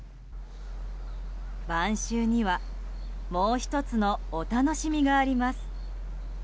晩秋にはもう１つのお楽しみがあります。